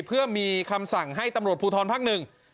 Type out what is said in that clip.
เพื่อมีคำสั่งให้ตำรวจภูทรภักดิ์หนึ่ง